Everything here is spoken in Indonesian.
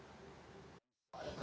yang sudah hitung